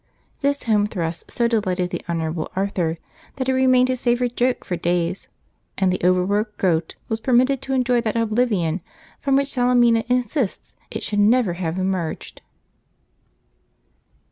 This home thrust so delighted the Honourable Arthur that it remained his favourite joke for days, and the overworked goat was permitted to enjoy that oblivion from which Salemina insists it should never have emerged.